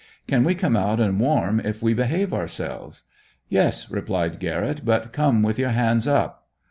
'Can we come out and warm if we behave ourselves?' 'Yes,' replied Garrett, 'but come with your hands up.'